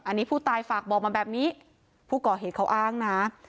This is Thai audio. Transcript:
อันนี้ผู้ตายฝากบอกมาแบบนี้ผู้ก่อเหตุเขาอ้างนะ